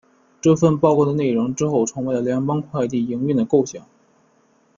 这份报告的内容之后成为了联邦快递营运的构想。